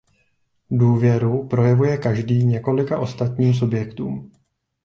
Důvěru projevuje každý několika ostatním subjektům.